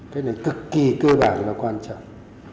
cái này cực kỳ cơ bản và quan trọng